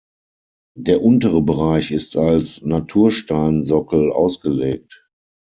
Der untere Bereich ist als Natursteinsockel ausgelegt.